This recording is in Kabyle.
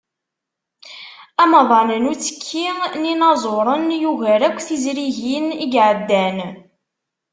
Amḍan n uttekki n yinaẓuren yugar akk tizrigin i iɛeddan.